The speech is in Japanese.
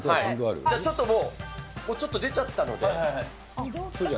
ちょっともう、ちょっと出ちゃったんで。